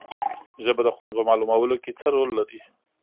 ژبه د خوند په معلومولو کې څه رول لري